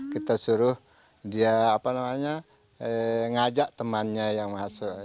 kita suruh dia ngajak temannya yang masuk